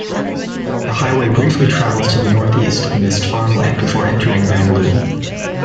The highway briefly travels to the northeast amidst farmland before entering Vanlue.